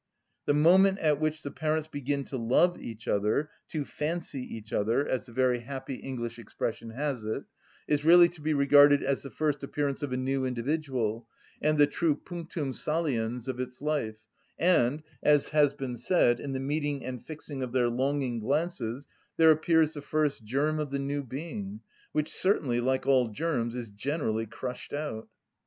The moment at which the parents begin to love each other—to fancy each other, as the very happy English expression has it—is really to be regarded as the first appearance of a new individual and the true punctum saliens of its life, and, as has been said, in the meeting and fixing of their longing glances there appears the first germ of the new being, which certainly, like all germs, is generally crushed out.